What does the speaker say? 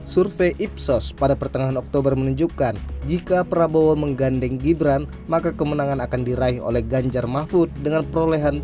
survei ipsos pada pertengahan oktober menunjukkan jika prabowo menggandeng gibran maka kemenangan akan diraih oleh ganjar mahfud dengan perolehan tiga puluh satu sembilan puluh delapan persen